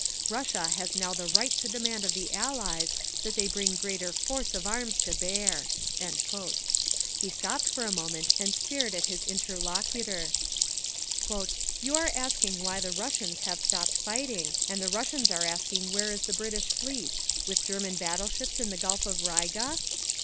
Russia has now the right to demand of the Allies that they bring greater force of arms to bear." He stopped for a moment and stared at his interlocutor. "You are asking why the Russians have stopped fighting, and the Russians are asking where is the British fleet—with German battle ships in the Gulf of Riga?"